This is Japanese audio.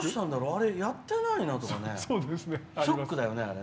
あれやってないの？とかショックだよね。